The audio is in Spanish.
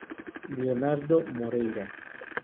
Leonardo Moreira